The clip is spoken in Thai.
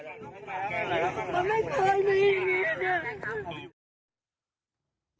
มันไม่เคยมีอย่างนี้เนี่ย